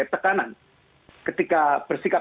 tekanan ketika bersikap